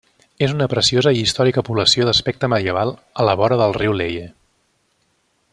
És una preciosa i històrica població d'aspecte medieval, a la vora del riu Leie.